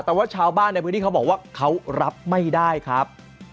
แต่ว่าชาวบ้านในพื้นที่เขาบอกว่าเขารับไม่ได้ครับ